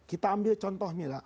kita ambil contohnya lah